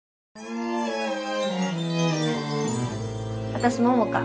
私桃香。